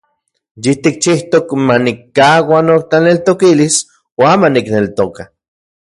Yitikchijtok manikkaua notlaneltokilis uan manikneltoka.